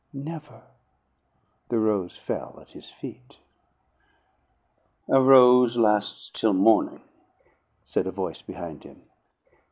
"Never!" The rose fell at his feet. "A rose lasts till morning," said a voice behind him.